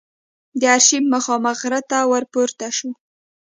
د آرشیف مخامخ غره ته ور پورته شوو.